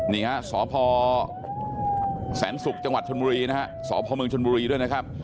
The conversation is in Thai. นี่ฮะสพแสนศุกร์จังหวัดชนบุรีนะฮะสพเมืองชนบุรีด้วยนะครับ